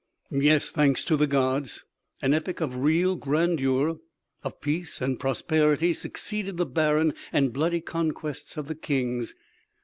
"Yes, thanks to the gods, an epoch of real grandeur, of peace and of prosperity succeeded the barren and bloody conquests of the kings.